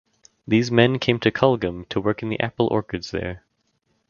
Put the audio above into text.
These men came to Kulgam to work in the apple orchards there.